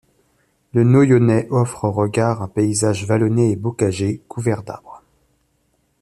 Le Noyonnais offre au regard un paysage vallonné et bocagé, couvert d'arbres.